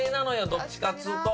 どっちかっつうと。